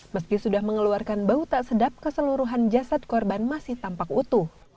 meski sudah mengeluarkan bau tak sedap keseluruhan jasad korban masih tampak utuh